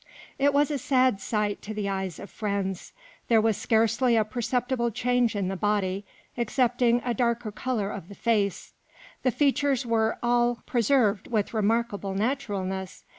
It was a sad sight to the eyes of friends. There was scarcely a perceptible change in the body, excepting a darker color of the face. The features were all preserved with remarkable naturalness.